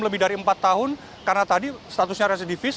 lebih dari empat tahun karena tadi statusnya residivis